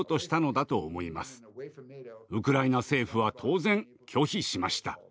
ウクライナ政府は当然拒否しました。